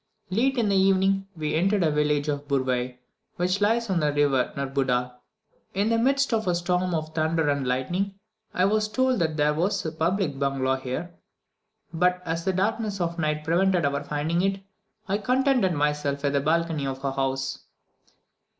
Late in the evening, we entered the village of Burwai, which lies on the river Nurbuda, in the midst of a storm of thunder and lightning. I was told that there was a public bungalow here, but as the darkness of the night prevented our finding it, I contented myself with the balcony of a house.